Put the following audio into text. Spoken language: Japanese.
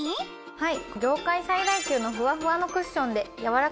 はい。